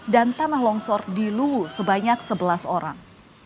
dan tanah longsor di luwu sebanyak sebelas orang